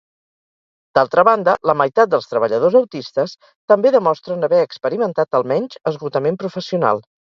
D'altra banda, la meitat dels treballadors autistes també demostren haver experimentat almenys esgotament professional.